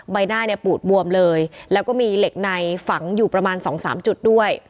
ใบหน้าปูดบวมเลยแล้วก็มีเหล็กในฝังอยู่ประมาณ๒๓จุดด้วย